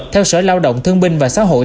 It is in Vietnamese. theo sở lao động thương binh và xã hội